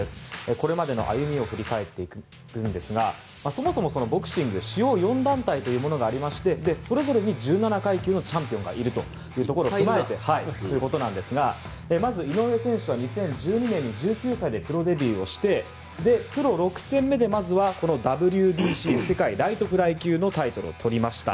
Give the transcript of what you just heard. これまでの歩みを振り返っていくんですがそもそもボクシング主要４団体というものがありましてそれぞれに１７階級のチャンピオンがいるというところを踏まえてということなんですがまず井上選手は２０１２年に１９歳でプロデビューをしてプロ６戦目で、まずはＷＢＣ世界ライトフライ級のタイトルを取りました。